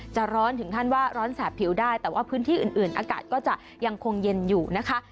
ร้อนถึงขั้นว่าร้อนแสบผิวได้แต่ว่าพื้นที่อื่นอากาศก็จะยังคงเย็นอยู่นะคะ